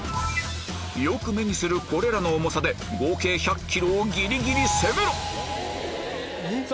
よく目にするこれらの重さで合計１００ｋｇをギリギリ攻めろ！